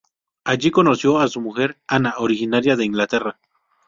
Allí conoció a su mujer Ana, originaria de Inglaterra.